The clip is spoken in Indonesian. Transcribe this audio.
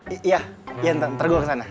iya ntar gue kesana